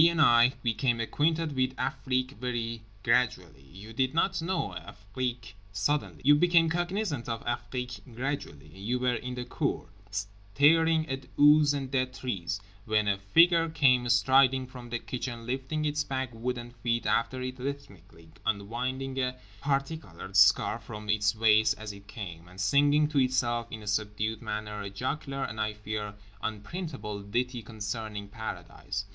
and I, became acquainted with Afrique very gradually. You did not know Afrique suddenly. You became cognisant of Afrique gradually. You were in the cour, staring at ooze and dead trees, when a figure came striding from the kitchen lifting its big wooden feet after it rhythmically, unwinding a particoloured scarf from its waist as it came, and singing to itself in a subdued manner a jocular, and I fear, unprintable ditty concerning Paradise.